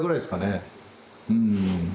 うん。